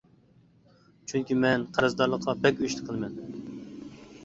چۈنكى، مەن قەرزدارلىققا بەك ئۆچلۈك قىلىمەن.